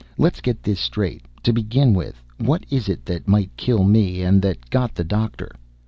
Let's get this straight. To begin with, what is it that might kill me, and that got the doctor?"